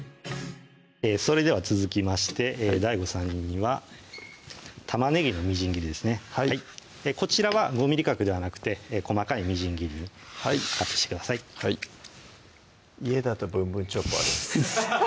それでは続きましてＤＡＩＧＯさんには玉ねぎのみじん切りですねはいこちらは５ｍｍ角ではなくて細かいみじん切りにカットしてください家だと「ぶんぶんチョッパー」です